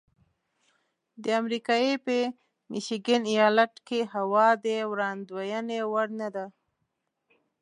د امریکې په میشیګن ایالت کې هوا د وړاندوینې وړ نه ده.